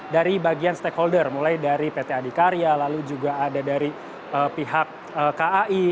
dari bagian stakeholder mulai dari pt adikarya lalu juga ada dari pihak kai